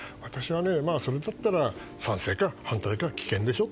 それだったら賛成か反対か棄権でしょ？